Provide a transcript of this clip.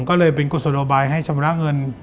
ก็เลยเป็นกุศโลบายให้ชำระเงิน